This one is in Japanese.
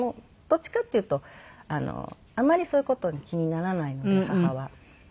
どっちかっていうとあまりそういう事気にならないので母は。